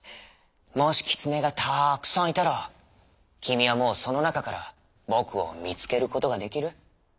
「もしキツネがたくさんいたらきみはもうそのなかから『ぼく』をみつけることができる？」。